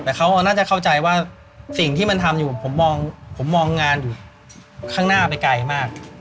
แต่เขาน่าจะเข้าใจว่าสิ่งที่มันทำอยู่ผมมองงานอยู่ข้างหน้าไปไกลมาก